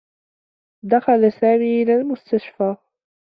دخل سامي إلى المستشفى.